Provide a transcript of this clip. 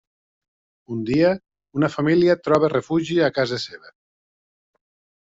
Un dia, una família troba refugi a casa seva.